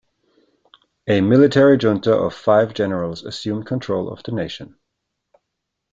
A military Junta of five Generals assumed control of the nation.